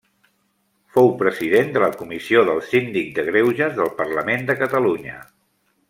Fou president de la comissió del Síndic de Greuges del Parlament de Catalunya.